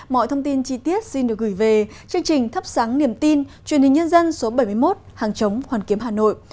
mọi thông tin chi tiết xin được gửi về chương trình thắp sáng niềm tin truyền hình nhân dân số bảy mươi một hàng chống hoàn kiếm hà nội